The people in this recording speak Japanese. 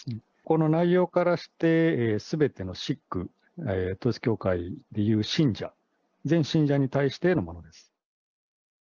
この内容からして、すべてのシック、統一教会でいう信者、全信者に対してのものです。